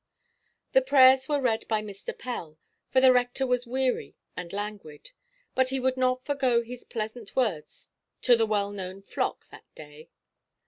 The prayers were read by Mr. Pell, for the rector was weary and languid; but he would not forego his pleasant words to the well–known flock that day.